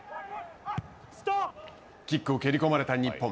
キックを蹴り込まれた日本。